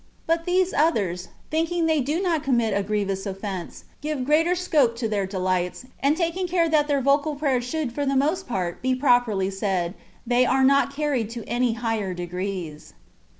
But these others, thinking they do not commit a grievous offence, give greater scope to their delights, and taking care that their vocal prayers should for the most part be properly said, they are not carried to any higher degrees.